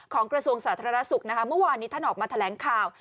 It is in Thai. กระทรวงสาธารณสุขนะคะเมื่อวานนี้ท่านออกมาแถลงข่าว